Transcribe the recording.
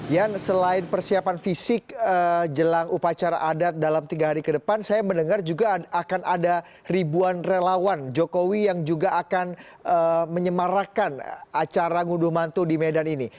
yan selain persiapan fisik jelang upacara adat dalam tiga hari ke depan saya mendengar juga akan ada ribuan relawan jokowi yang juga akan menyemarakan acara ngudu mantu di medan ini